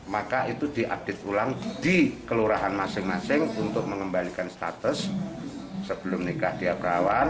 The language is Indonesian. maka itu diupdate ulang di kelurahan masing masing untuk mengembalikan status sebelum nikah dia berawan